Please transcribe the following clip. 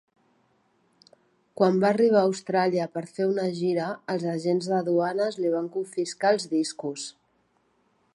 Quan va arribar a Austràlia per fer una gira els agents de duanes li van confiscar els discos.